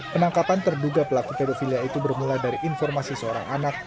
penangkapan terduga pelaku pedofilia itu bermula dari informasi seorang anak